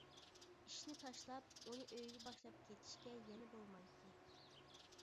ئىشنى تاشلاپ ئۇنى ئۆيگە باشلاپ كېتىشكە يەنە بولمايتتى.